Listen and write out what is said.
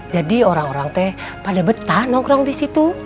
jadi orang orang itu pada betah nongkrong di situ